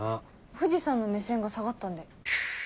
藤さんの目線が下がったんで。